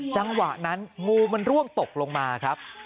จังหวะนั้นงูมันร่วงตกลงมาครับ